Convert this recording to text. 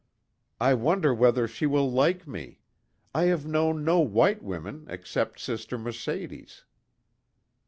"I wonder whether she will like me? I have known no white women except Sister Mercedes."